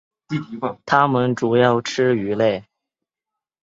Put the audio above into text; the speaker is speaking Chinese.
它们主要吃鱼类。